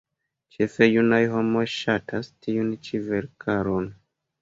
Ĉefe junaj homoj ŝatas tiun ĉi verkaron.